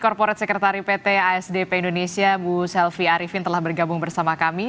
korporat sekretari pt asdp indonesia bu selvi arifin telah bergabung bersama kami